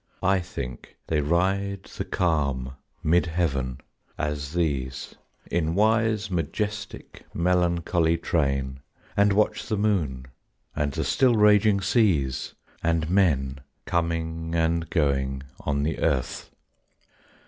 I think they ride the calm mid heaven, as these, In wise majestic melancholy train, And watch the moon, and the still raging seas, And men, coming and going on the earth.